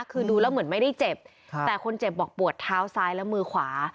คือดูแล้วเหมือนไม่ได้เจ็บแต่คนเจ็บบอกปวดเท้าซ้ายและมือขวา